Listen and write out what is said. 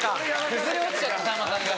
崩れ落ちちゃったさんまさんが。